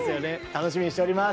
楽しみにしております。